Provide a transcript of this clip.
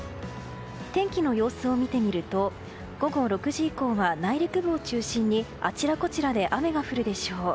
天気の様子を見てみると午後６時以降は内陸部を中心にあちらこちらで雨が降るでしょう。